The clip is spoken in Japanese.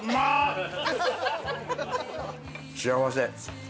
幸せ。